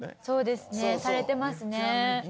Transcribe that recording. そうですねされてますね。